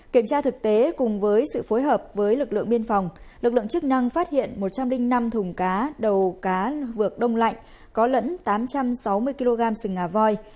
kiểm tra thực tế cùng với sự phối hợp với lực lượng biên phòng lực lượng chức năng phát hiện một trăm linh năm thùng cá đầu cá vược đông lạnh có lẫn tám trăm sáu mươi kg sừng ngà voi